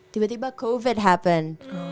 tiba tiba covid happen